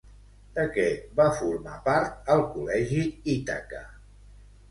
De què va formar part al col·legi Ítaca?